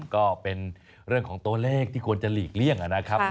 ก็เป็นเรื่องของตัวเลขที่ควรจะหลีกเลี่ยงนะครับ